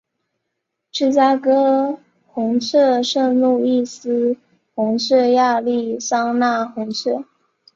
芝加哥红雀圣路易斯红雀亚利桑那红雀